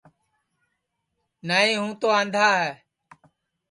نائی ہوں تو آندھا ہے